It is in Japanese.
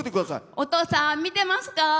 お父さん、見てますか？